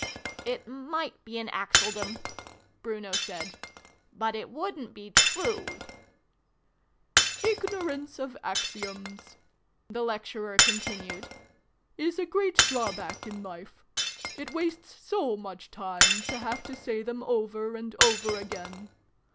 " It might be an Axledum," Bruno said :" but it wouldn't be true f" Xxi] THE PROFESSOR'S LECTURE. 331 " Ignorance of Axioms," the Lecturer con tinued, " is a great drawback in life. It wastes so much time to have to say them over and over again.